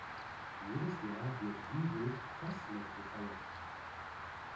Jedes Jahr wird wie wild Fasnet gefeiert.